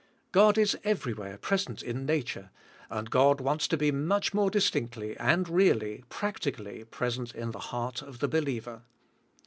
God is everywhere present in nature; and God wants to be much more distinctly and really, practically present in the heart of the believer.